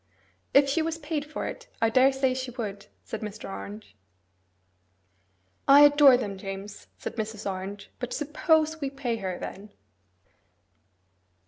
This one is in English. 'If she was paid for it, I daresay she would,' said Mr. Orange. 'I adore them, James,' said Mrs. Orange, 'but SUPPOSE we pay her, then!